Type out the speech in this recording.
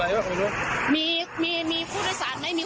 เรียสัพานค์ทำเป็นจริงที่ให้นี่